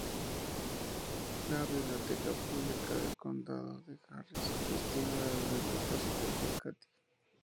La Biblioteca Pública del Condado de Harris gestiona la Biblioteca Sucursal Katy.